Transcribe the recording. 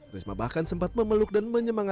risma bahkan sempat memeluk dan menyemangat